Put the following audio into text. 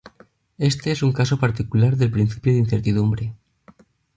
Este es un caso particular del principio de incertidumbre.